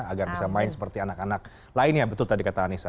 agar bisa main seperti anak anak lainnya betul tadi kata anissa